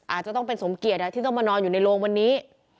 อาจจะต้องเป็นสมเกียจที่ต้องมานอนอยู่ในโรงวันนี้